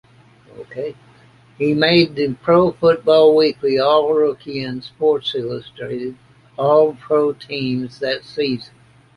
He made the "Pro Football Weekly" All-Rookie and "Sports Illustrated" All-Pro teams that season.